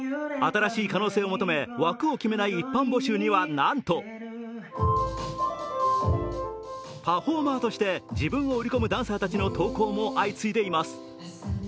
新しい可能性を求め、枠を決めない一般募集にはなんとパフォーマーとして、自分を売り込むダンサーたちの投稿も相次いでいます。